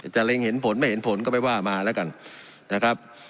เล็งเห็นผลไม่เห็นผลก็ไม่ว่ามาแล้วกันนะครับ